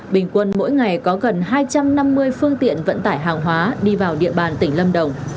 bình quân mỗi ngày có gần hai trăm năm mươi phương tiện vận tải hàng hóa đi vào địa bàn tỉnh lâm đồng